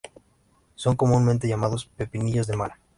Son comúnmente llamados "pepinillos de mar".